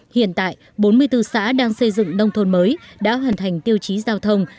hiện tại bốn mươi bốn xã đang xây dựng nông thôn mới đã hoàn thành tiêu chí giao thông